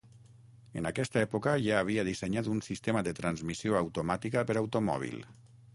En aquesta època ja havia dissenyat un sistema de transmissió automàtica per automòbil.